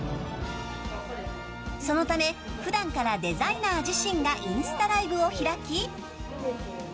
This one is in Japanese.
そのため普段からデザイナー自身がインスタライブを開き。